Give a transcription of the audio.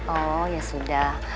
oh ya sudah